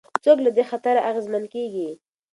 څوک له دې خطره اغېزمن کېږي؟